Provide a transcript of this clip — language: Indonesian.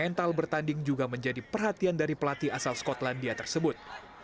mental bertanding juga menjadi perhatian dari pelatih asal skotlandia tersebut